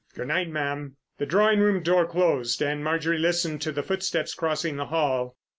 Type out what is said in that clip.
Good night, ma'am." The drawing room door closed, and Marjorie listened to the footsteps crossing the hall.